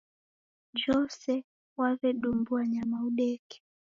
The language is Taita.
Jose waw'edumbua nyama udeke